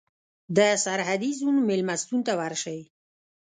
د سرحدي زون مېلمستون ته ورشئ.